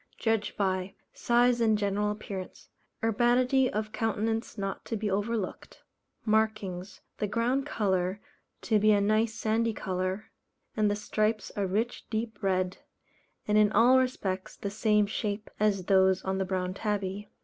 Judged by: Size and general appearance; urbanity of countenance not to be overlooked. Markings the ground colour to be a nice sandy colour, and the stripes a rich deep red, and in all respects the same shape as those on the Brown Tabby.